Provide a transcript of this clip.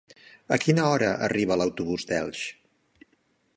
A quina hora arriba l'autobús d'Elx?